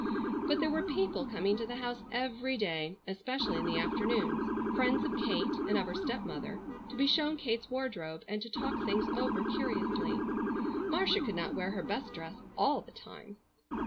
But there were people coming to the house every day, especially in the afternoons, friends of Kate, and of her stepmother, to be shown Kate's wardrobe, and to talk things over curiously. Marcia could not wear her best dress all the time.